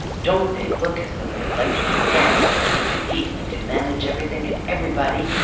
"Don't they look as though they liked to dance and to eat and to manage everything and everybody?"